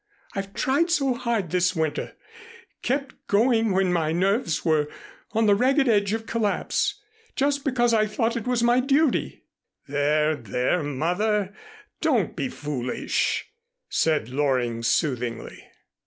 I've tried so hard this winter kept going when my nerves were on the ragged edge of collapse, just because I thought it was my duty " "There, there, Mother, don't be foolish," said Loring soothingly.